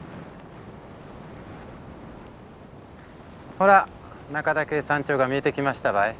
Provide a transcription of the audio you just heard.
ほら中岳山頂が見えてきましたばい。